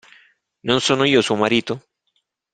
Non sono io suo marito?